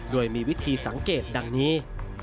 โดยมีวิธีสังเกตดังนี้